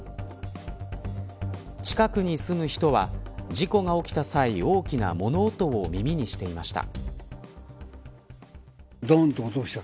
近くに住む人は事故が起きた際大きな物音を耳にしていました。